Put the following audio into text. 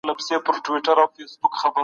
حکومتي چارواکي باید امانتدار وي.